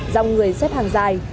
dòng người xếp hàng dài